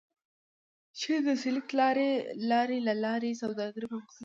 چین د سیلک لارې له لارې سوداګري پرمختللې وه.